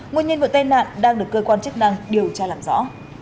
nguyên nhân vụ tai nạn đang được cơ quan chức năng điều tra làm rõ